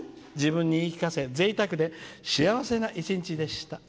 自分に言い聞かせ幸せな一日でした。